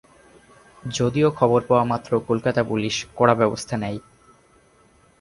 যদিও খবর পাওয়া মাত্র কলকাতা পুলিশ কড়া ব্যবস্থা নেয়।